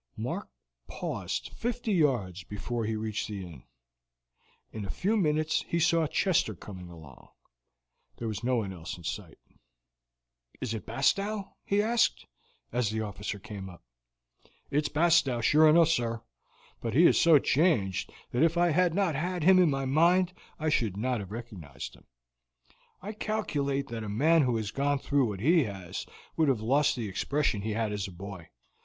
Mark paused fifty yards before he reached the inn. In a few minutes he saw Chester coming along. There was no one else in sight. "Is it Bastow?" he asked, as the officer came up. "It's Bastow sure enough, sir. But he is so changed that if I had not had him in my mind I should not have recognized him. I calculate that a man who has gone through what he has would have lost the expression he had as a boy.